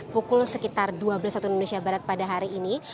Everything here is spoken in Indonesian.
pukul sekitar dua belas waktu indonesia barat pada hari ini